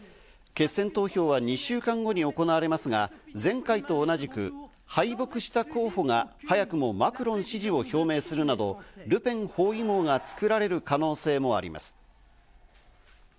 決選投票は２週間後に行われますが、前回と同じく敗北した候補が早くもマクロン支持を表明するなどルペン包囲網が作られる可能性もあります。